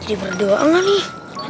jadi berdoa lah nih